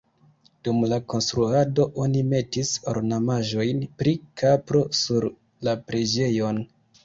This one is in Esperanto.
Dum la konstruado oni metis ornamaĵojn pri kapro sur la preĝejon.